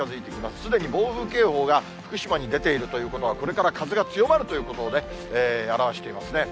すでに暴風警報が福島に出ているということは、これから風が強まるということを表わしていますね。